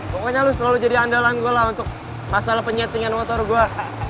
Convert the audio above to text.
pokoknya lo selalu jadi andalan gue lah untuk masalah penyettingan motor gue